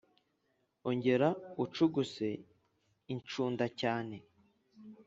ongera ucuguse incunda cyane